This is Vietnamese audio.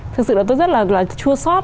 thực sự là tôi rất là chua sót